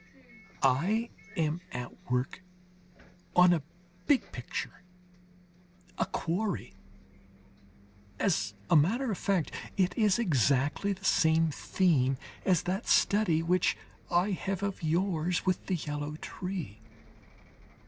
I am at work on a big picture, a quarry. As a matter of fact it is exactly the same theme as that study which I have of yours with the yellow tree.